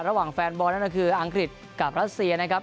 ระหว่างแฟนบอลนั่นก็คืออังกฤษกับรัสเซียนะครับ